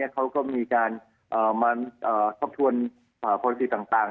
เขาก็มีการมาชอบชวนโปรดฤทธิ์ต่าง